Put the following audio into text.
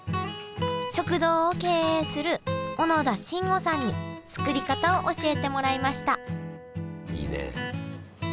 食堂を経営する小野田真悟さんに作り方を教えてもらいましたいいね。